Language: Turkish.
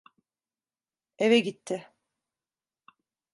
Eve gitti.